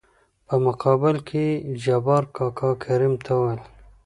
په مقابل کې يې جبار کاکا کريم ته وويل :